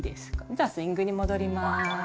じゃスイングに戻ります。